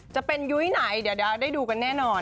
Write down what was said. จะเป็นยุ้ยไหนเดี๋ยวได้ดูกันแน่นอน